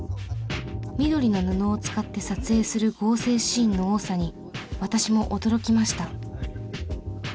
緑の布を使って撮影する合成シーンの多さに私も驚きました。